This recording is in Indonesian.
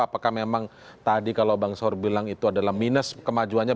apakah memang tadi kalau bang saur bilang itu adalah minus kemajuannya